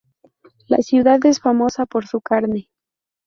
La ciudad es famosa por su carne.